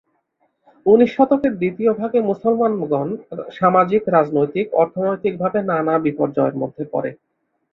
উনিশ শতকের দ্বিতীয় ভাগে মুসলমানগণ সামাজিক, রাজনৈতিক, অর্থনৈতিকভাবে নানা বিপর্যয়ের মধ্যে পড়ে।